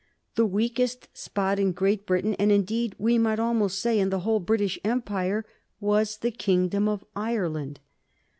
The weakest spot in Great Britain, and indeed we might almost say in the whole British Empire, was the kingdom of Ireland.